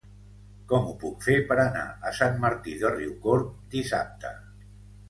Com ho puc fer per anar a Sant Martí de Riucorb dissabte?